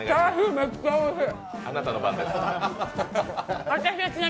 めっちゃおいしい。